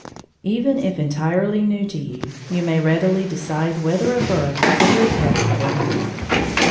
Even if entirely new to you, you may readily decide whether a bird is a woodpecker or not.